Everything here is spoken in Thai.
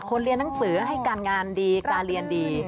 เรียนหนังสือให้การงานดีการเรียนดี